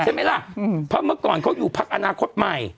ใช่ไหมล่ะเพราะเมื่อก่อนเขาอยู่พักอนาคตใหม่